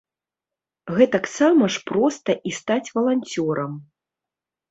Гэтаксама ж проста і стаць валанцёрам.